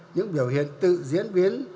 những biểu hiện tự diễn biến